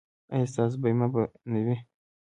ایا ستاسو بیمه به نه وي؟